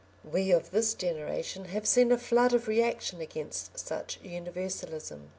We of this generation have seen a flood of reaction against such universalism.